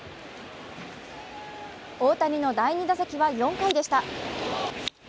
大谷の第２打席は４回でした。